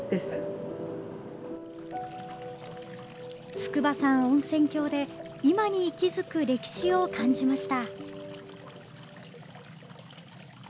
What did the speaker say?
筑波山温泉郷で今に息づく歴史を感じました。